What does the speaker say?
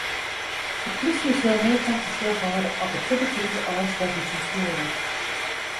De plysje sil mear tafersjoch hâlde op it te betiid ôfstekken fan fjoerwurk.